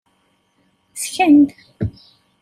Ssken-d.